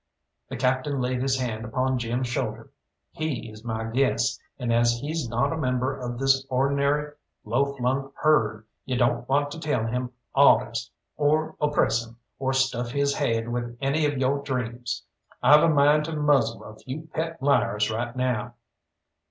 The Captain laid his hand upon Jim's shoulder. "He is my guest, and as he's not a member of this or'nary low flung herd, you don't want to tell him awdehs, or oppress him, or stuff his haid with any of yo' dreams. I've a mind to muzzle a few pet liars right now.